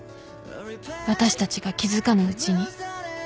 私たちが気付かぬうちに